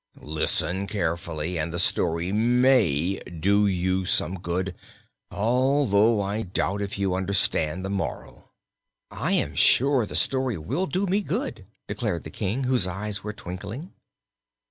Listen carefully, and the story may do you some good although I doubt if you understand the moral." "I am sure the story will do me good," declared the King, whose eyes were twinkling.